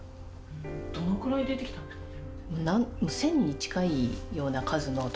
どのくらい出てきたんですかね？